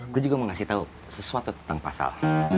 gua juga mau kasih tau sesuatu tentang pasal